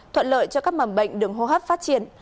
thuận lợi cho các mầm bệnh đường hô hấp phát triển